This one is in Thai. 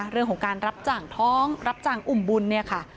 เรื่องของการรับจ่างท้องรับจ้างอุ่มบุญเนี่ยค่ะ